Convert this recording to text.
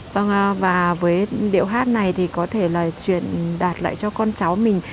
vâng và với điệu hát này thì có thể là truyền đạt lại cho con cháu mình